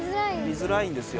見づらいんですよ。